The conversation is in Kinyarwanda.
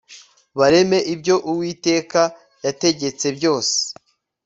bareme ibyo uwiteka yategetse byose